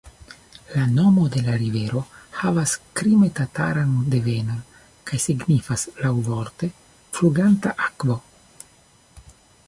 La nomo de la rivero havas krime-tataran devenon kaj signifas laŭvorte "fluganta akvo".